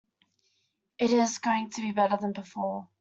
It is going to be better than before.